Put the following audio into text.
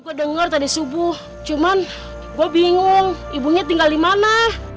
gue dengar tadi subuh cuman gue bingung ibunya tinggal di mana